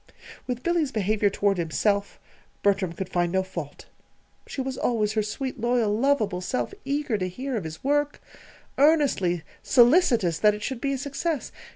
With Billy's behavior toward himself, Bertram could find no fault. She was always her sweet, loyal, lovable self, eager to hear of his work, earnestly solicitous that it should be a success.